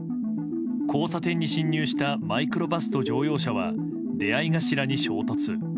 交差点に進入したマイクロバスと乗用車は出会い頭に衝突。